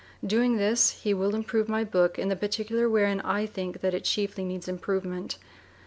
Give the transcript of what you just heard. Doing this, he will improve my book in the particular wherein I think that it chiefly needs improvement.